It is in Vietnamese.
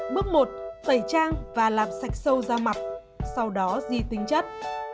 bước một tẩy trang và làm sạch sâu ra mặt sau đó di tính chất